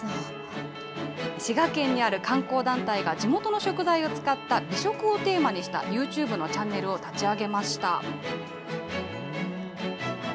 滋賀県にある観光団体が地元の食材を使った、美食をテーマにしたユーチューブのチャンネルを立ち上げました。